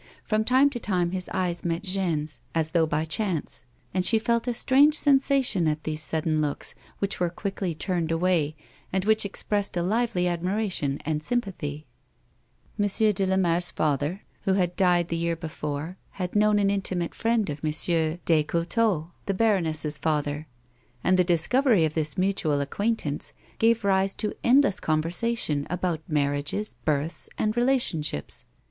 From time to time his eyes met Jeanne's, as though by chance ; and she felt a strange sensation at these sudden looks which were quickly turned away and which expressed a lively admira tion and sympathy. M. de Lamare's father, who had died the year before, had known an intimate friend of il. des Cultaux, the baroness's father, and the discovery of this mutual acquaintance gave rise to endless conversation about marriages, births, and relationships.